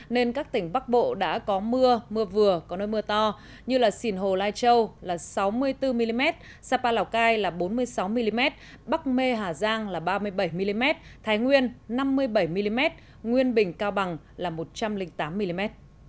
nên các tỉnh bắc bộ đã có mưa mưa vừa có nơi mưa to như sìn hồ lai châu là sáu mươi bốn mm sapa lào cai là bốn mươi sáu mm bắc mê hà giang là ba mươi bảy mm thái nguyên năm mươi bảy mm nguyên bình cao bằng là một trăm linh tám mm